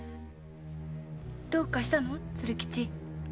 どうかしたの鶴吉？